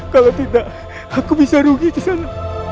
kalau tidak aku bisa rugi disana